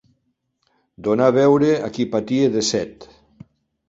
Donar beure a qui patia de set